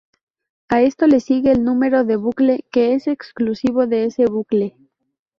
A esto le sigue el número de bucle, que es exclusivo de ese bucle.